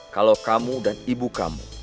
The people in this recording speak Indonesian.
kalau kamu dan ibu kamu